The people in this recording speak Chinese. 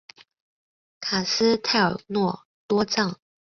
卡斯泰尔诺多藏。